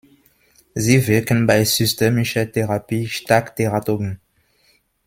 Sie wirken bei systemischer Therapie stark teratogen.